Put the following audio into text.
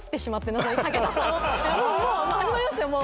始まりますよもう！